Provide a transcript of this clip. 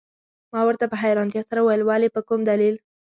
ما ورته په حیرانتیا سره وویل: ولي، په کوم دلیل؟